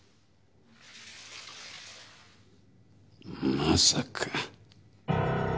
まさか。